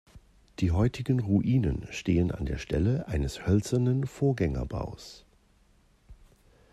Die heutigen Ruinen stehen an der Stelle eines hölzernen Vorgängerbaues.